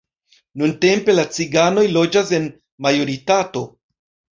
Nuntempe la ciganoj loĝas en majoritato.